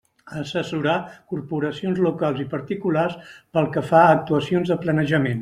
Assessorar corporacions locals i particulars pel que fa a actuacions de planejament.